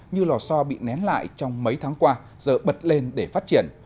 như lò so bị nén lại trong mấy tháng qua giờ bật lên để phát triển